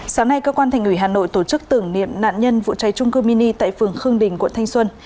sáng nay cơ quan thành ủy hà nội tổ chức tưởng niệm nạn nhân vụ cháy trung cư mini tại phường khương đình quận thanh xuân